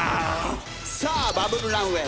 さあバブルランウェイ